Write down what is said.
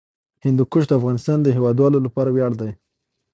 هندوکش د افغانستان د هیوادوالو لپاره ویاړ دی.